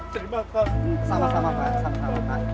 terima kasih sama sama